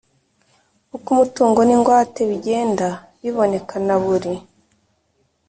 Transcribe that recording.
Uko umutungo n ingwate bigenda biboneka na buri